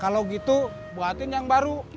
kalau gitu buatin yang baru